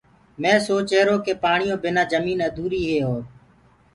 مينٚ سوچهيرو ڪي پآڻيو بنآ جمين اڌوريٚ هي اور